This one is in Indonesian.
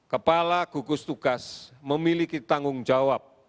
kepala gugus tugas memiliki tanggung jawab